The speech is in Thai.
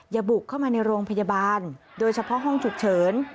อย่าบุกเข้ามาในโรงพยาบาลโดยเฉพาะห้องฉุกเฉิน